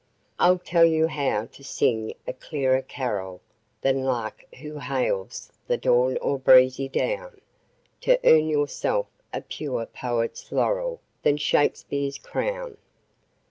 I'll tell you how to sing a clearer carol Than lark who hails the dawn or breezy down, To earn yourself a purer poet's laurel Than Shakespeare's crown.